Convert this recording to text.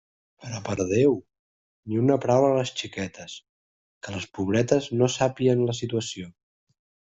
Però, per Déu!, ni una paraula a les xiquetes; que les pobretes no sàpien la situació.